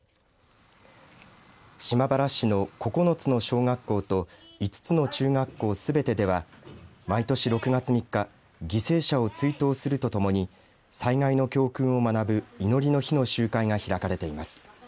島原市の９つの小学校と５つの中学校すべてでは毎年６月３日犠牲者を追悼するとともに災害の教訓を学ぶいのりの日の集会が開かれています。